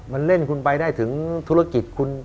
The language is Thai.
มันรุนแรงจริง